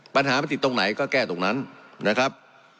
ปัญหามันติดตรงไหนก็แก้ตรงนั้นนะครับ